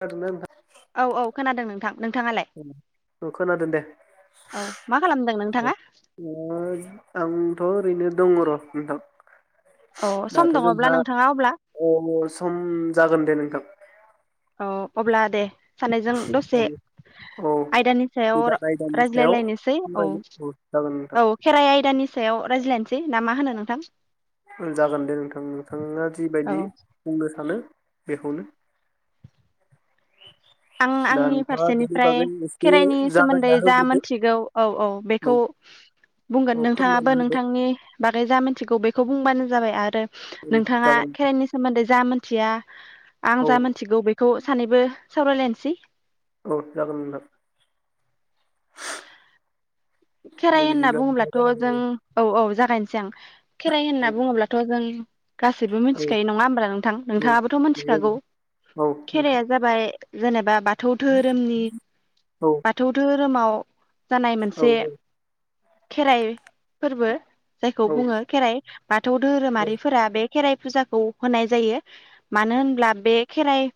जादोंना नोंथां? औ औ खोनादों नोंथां नोंथाङालाय नोंथां? औ खोनादों दे। औ मा खालामदों नोंथाङा? ओ आंथ' ओरैनो दंङ र नोंथां। औ सम दाथ दङब्ला जोंहा नोंथाङा अब्ला अ सम जागोन दे नोंथां औ अब्ला दे सानैजों दसे औ आयदानि सायाव गोदान आयदानि सायाव रायज्लायलायनोसै औ सावरायनो जागोन नोंथां औ खेराइ आयदानि सायाव रायज्लायनोसै [unintelligible] ना मा होनो नोंथां? जागोन दे नोंथां नोंथाङा औ जिबायदि बुंनो सानो बेखौनो आं दा आंनि नोंथाङा बेनि फारसेनिफ्राय बागै एसे खेराइनि सोमोन्दै जागायना जा होग्रोदो मोनथिगौ औ औ बेखौ बुंगोन औ नोंथांङाबो फोरमायना होदो नोंथांनि बागै जा मिन्थिगौ बेखौ खौ बुंबानो जाबाय आरो औ नोंथाङा जागोन खेराइनि सोमोन्दै जा मोन थिया आं औ जा मोन्थिगौ बेखौ सानैबो सावराय लायनोसै। औ जागोन नोंथां। दे खेराइ होनना बिदिब्ला बुङोब्लाथ' नोंथाङा जों जागायदो। औ औ जाग गायनोसै आं खेराइ होनना औ बुङोब्लाथ' जों गासैबो मिन्थिखायो औ नङा होमब्ला नोंथां? नोंथाङाबोथ' मोन्थिखागौ औ औ नोंथां खेराइया जाबाय जेनेबा बाथौ धोरोमनि औ बाथौ धो [unintelligible] जानाय औ मोनसे खेराइ फोरबो जायखौ बुङो खेराइ बाथौ औ दोरोमारिफोरा बे खेराइ फुजाखौ होनाय जायो मानो होनब्ला बे खेराइ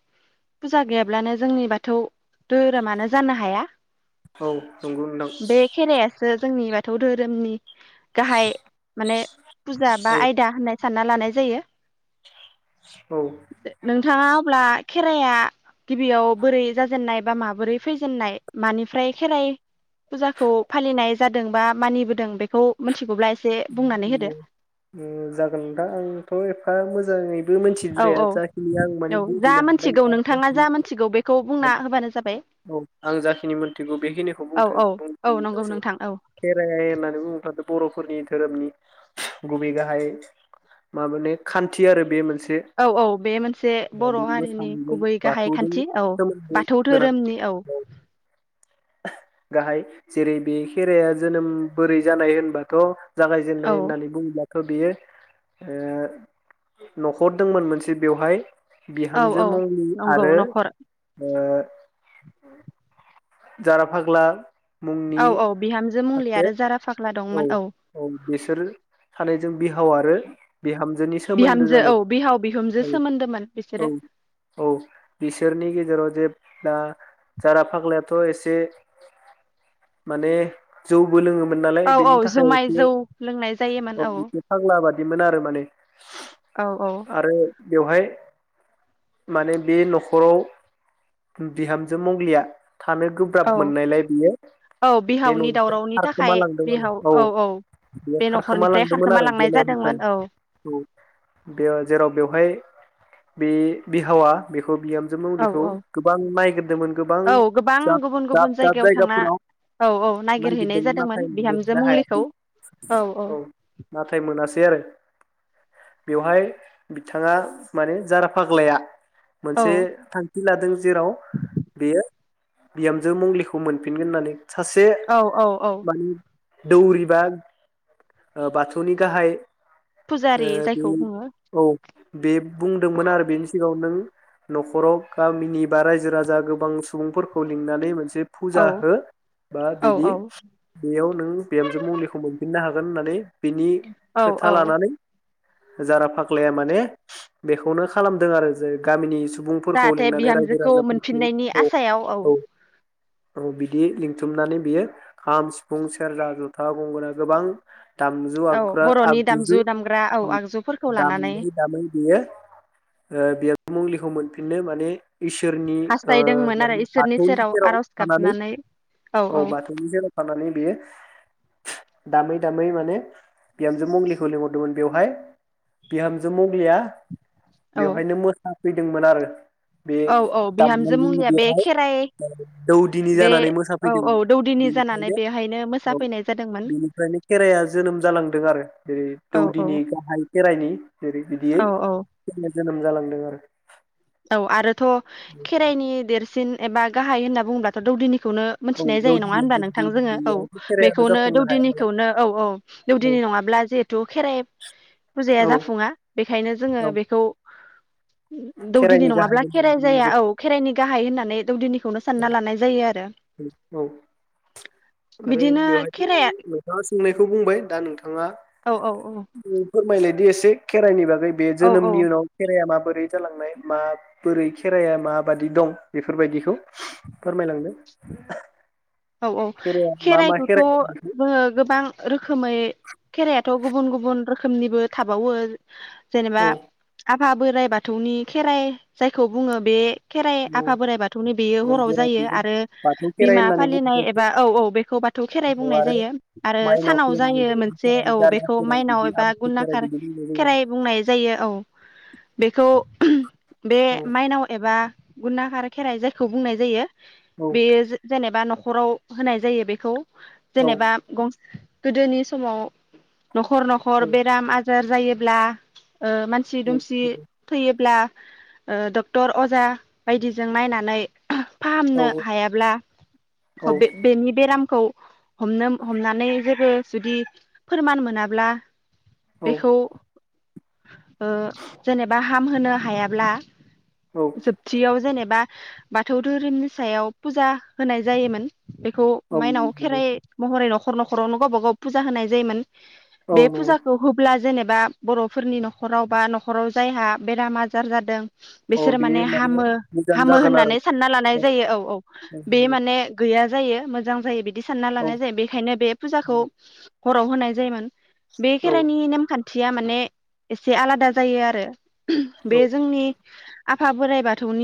पुजा गैयाब्लानो जोंनि बाथौ दोहोरोमानो जानो हाया। औ नंगौ बे नोंथां। खेराइासो जोंनि बाथौ दोहोरोमनि गाहाय माने पुजा बा औ आयदा होनाय सानना लानाय जायो औ ओ नोंथाङा अब्ला खेराइया गिबियाव बोरै जाजेननाय बा माबोरै फैजेननाय मानिफ्राय खेराइ फुजाखौ फालिनाय जादों बा मानिबोदों बेखौ मिथिगौब्ला ए उम्म उम्म ओ जागोन दा आंथ' एफा मोजाङै बो औ मिथिद्राया औ जाखिनि आं माने औ जा बुजिनो हादों मोनथिगौ नोंथाङा जा मोनथिगौ बेखौ [unintelligible] बुंना होबानो जाबाय औ आं जाखिनि मोनथिगौ बेखिनिखौ औ बुंथो औ औ नंगौ [unintelligible] नोंथां औ खेराइ होननानै बुंब्ला बर'फो [inaudible] धोरोमनि गुबै गाहाय माबोने खान्थि आरो बे मोनसे। औ औ बे मोनसे बर बे हारिनि मोसानायजों गुबै गाहाय बाथौजों खान्थि औ सोमोन्दो बाथौ गोनां धोरोमनि औ गाहाय जेरै बे खेरायया जोनोम बोरै जानाय होनबाथ औ जागायजेननाय होननानै बुङोब्ला थ बियो ओ नखरदोंमोन मोनसे बेवहाय औ बिहामजो औ मंलि नंगौ आरो न'खर ओ अम जारा फाग्ला औ औ बिहामजो मंग्लि सासे आरो जारा फाग्ला औ दंमोन औ बिसोर सानैजों बिहाव आरो बिहामजोनि सोमोन्दो बिहामजो औ जानाय बिहाव बिहुमजो औ सोमोन्दोमोन औ बिसोरो औ बिसोरनि गेजेराव जे दा जारा फाग्लायाथ एसे माने जौबो लोंङोमोन ना औ औ जुमाय जौ लोंनाय जायोमोन औ बिमोन आरो माने औ औ आरो बेवहाय माने बे न'खराव बिहामजो मग्लिया थानो औ गोब्राब मोननायलाय बियो औ बे बिहावनि ननिफ्राय दावरावनि खारखोमा थाखाय लांदों बिहाव आरो औ बेयो बे खारखोमा न'खरनिफ्राय लांदोंमोन खारखोमा आरो लांनाय बेननिफ्राय जादोंमोन औ औ बे जेराव बेवहाय बे बिहावा बे बिहामजो औ मुंलिखौ औ गोबां नायगिरदोंमोन गोबां औ गोबां गुबुन गुबुन दाब-दाब जायगायाव थांना जायगाफोराव औ औ नागिरहैनाय नायगिरदोंमोन जादोंमोन नाथाय बिहामजो मोननो मंलिखौ हायासै औ नाथाय मोनासै आरो बेवहाय बिथाङा माने जारा फाग्लाया औ मोनसे थांखि लादों जेराव बेयो बिहामजो मंलिखौ मोनफिनगोन होननानै सासे औ औ औ मानि दौरिबा ओ बाथौनि गाहाय फुजारि ए जायखौ बुङो औ बे बुंदोंमोन आरो बेनि सिगाङाव नों न'खराव गामिनि बा रायजो राजा गोबां सुबुंफोरखौ लिंनानै मोनस बे औ फुजा हो बा औ बेनि औ बेयाव बिहामजो मंग्लिखौ मोनफिननो हागोन होननानै बिनि औ खोथा औ लानानै जारा फाख्लाया माने बेखौनो खालामदों आरो जे गामिनि सुबुंफोरखौ जाहाथे लिंनानै रायजो बिहामजोखौ मोनफिननायनि राजाफोरखौ औ आसायाव औ औ बिदि लिंथुमनानै बियो खाम फुं सेरजा जथा गंगोना गोबां दामजु औ आग्रा बर'नि आगजु दामजु दामग्रा औ आगजुफोरखौ लानानै दामै दामै बेयो ओ बेयो मुंलिखौ मोनफिननो माने इसोरनि ओ हास्थायदोंमोन आरो इसोरनि बाथौनि सेराव आर'ज थानानै गाबनानै औ बाथौनि सेराव थानानै दामै दामै माने बिहामजो मंलिखौ लिंहरदोंमोन बेवहाय बिहामजो मंग्लिया औ बेवहायनो मोसा फैदोंमोन आरो बे औ औ बिहामजो दामनायजोंनो मुंलिया बे बेवहाय खेराइ दौदिनि बे जानानै औ मोसाफैदों औ दौदिनि बेनिफ्रायनो जानानै बेहाय औ बेनिफ्रायनो खेराइआ जोनोम जालांदों आरो जेरै औ औ दौदिनि गाहाय खेराइनि जेरै बिदियै औ औ खेराइया जोनोम जालांदों! [unintelligible] औ आरोथ खेराइनि देरसि सिन एबा गाहाय होनोब्लाथ दौदिनि खौनो आरो औ मोनथिनाय जायो नङा होनबा नोंथां जोङो औ दौदिनि खेराइाबो बेखौनो जाफुंनो हाया नालाय दौदिनिखौनो औ औ औ दौदिनि नङाब्ला जिहेथु खेराइ औ फुजाया जाफुङा बेखायनो जोङो औ बेखौ दौदिनि खेराइनि गाहाय नङाब्ला खेराइ होननानै जाया बुंनाय औ खेराइनि गाहाय होननानै दौदिनि खौनो सानना लानाय जायो आरो जायो। औ बिदिनो खेराइया बुंनायखौ बुंबाय दा नोंथां थाङा औ [unintelligible] फोरमायलायदि एसे खेराइनि बागै बे औ औ जोनोमनि उनाव खेराइया माब बोरै जालांनाय म बोरै खेराइाया माबादि दं बेफोरबायदिखौ। फोरमायलांदों। औ औ खेराइाया मा मा खेराइखौथ खेराइ जोङो गोबां रोखोमै खेराइयाथ गुबुन गुबुन रोखोमनिबो थाबावो जेनेबा औ आफा बोराइ बाथौनि खेराइ जायखौ बुङो बे खेराइ आफा बोराइ बाथौनि बेयो हराव जायो आरो बाथौ खेराइ बिमा होननानै फालिनाय बुंनाय एबा औ औ बेखौ बाथौ खेराइ बुंनाय जायो आरो माइनाव सानाव खेराइ जायो मोनसे खेराइ औ गारजा बेखौ खेराइ माइनाव बिदि एबा आमथि खेराइ गुनाकार बिदि बुंनाय खेराइ बुंनाय जायो औ बेखौ बे जायो माइनाव एबा गुनाकार खेराइ जायखौ बुंनाय जायो। औ बेयो जों बा नखराव होनाय जायो बेखौ। औ जेनेबा गं गोदोनि समाव नखर नखर औ बेराम आज जोर जायोब्ला ओ मानसि दुमसि औ थैयोब्ला ओ डक्टर अजा बायदिजों नायनानै फाहामनो औ हायाब्ला औ बे-बेनि बेरा दामखौ हमनो-हमनानै जेबो जुदि फोरमान मोनाब्ला औ बेखौ ओ जेनेबा हामहोनो हायाब्ला औ जोबथियाव जेनेबा बाथौ धोरोमनि सायाव पुजा होनाय जायोमोन। बेखौ औ माइनाव नंगौ खेराइ महरै नख खर न'खरावनो गावबा गाव पुजा होनाय जायोमोन। औ बे नंगौ पुजाखौ होब्ला जेनेब बा बर'फोरनि न'खराव बा न'खराव जायहा बेराम आजार जादों औ बिसोरो माने बेयो हामो मोजां हामो जागोन आरो होननानै सानना लानाय जायो औ औ बे मान गैया जायो मोजां जायो बिद बिदि सानना औ लानाय जायो बेखायनो बे फुजाखौ हराव होनाय जायोमोन। बे औ खेराइनि नेमखान थिया माने एसे आलादा जायो आरो औ बे जोंनि आफा बोराइ बाथौनि